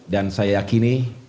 dan saya yakini